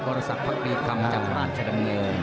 บริษัทภักดีคำจากหลานชะดำเงิน